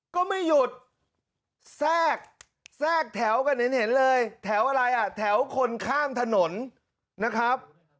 ก็ไม่หยุดแทรกแทรกแถวกันเห็นเลยแถวอะไรอ่ะแถวคนข้ามถนนนะครับ